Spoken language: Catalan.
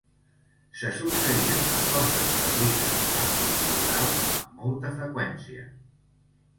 Se succeïen les forces carlines amb les liberals amb molta freqüència.